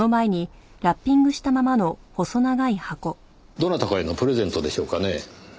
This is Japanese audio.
どなたかへのプレゼントでしょうかね？